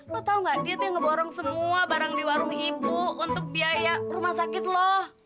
lo tahu nggak dia tuh yang ngeborong semua barang di warung ibu untuk biaya rumah sakit loh